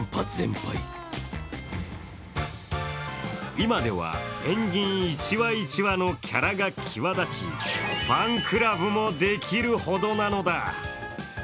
今ではペンギン１羽１羽のキャラが際立ちファンクラブもできるほどなのだ。